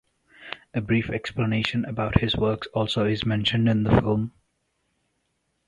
A brief explanation about his works also is mentioned in the film.